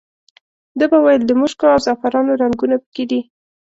ده به ویل د مشکو او زعفرانو رنګونه په کې دي.